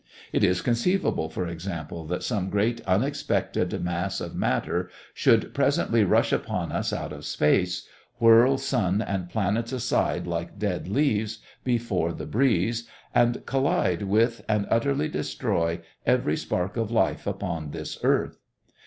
It is conceivable, for example, that some great unexpected mass of matter should presently rush upon us out of space, whirl sun and planets aside like dead leaves before the breeze, and collide with and utterly destroy every spark of life upon this earth.